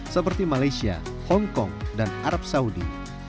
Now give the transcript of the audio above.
seperti malaysia hong kong dan arab saudi